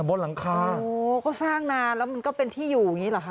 บนหลังคาโอ้ก็สร้างนานแล้วมันก็เป็นที่อยู่อย่างงี้เหรอคะ